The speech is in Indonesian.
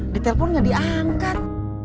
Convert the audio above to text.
di telepon gak diangkat